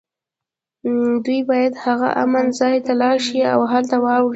دوی باید هغه امن ځای ته ولاړ شي او هلته واړوي